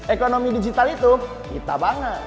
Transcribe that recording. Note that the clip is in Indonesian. ekonomi digital itu kita banget